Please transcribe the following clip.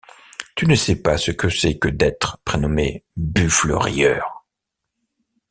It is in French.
Tu sais pas ce que c’est que d’être prénommé Buffle Rieur.